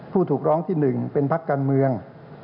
พูดถูกร้องที่๑เป็นพระกันเมือง